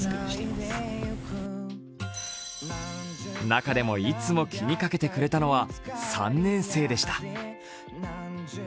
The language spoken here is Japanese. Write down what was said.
中でもいつも気にかけてくれたのは３年生でした。